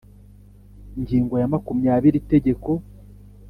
ngingo ya makumyabiri itegeko